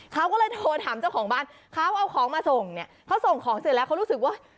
เขาก็เลยโทรถามเจ้าของบ้านเขาเอาของมาส่งเนี่ยเขาส่งของเสร็จแล้วเขารู้สึกว่า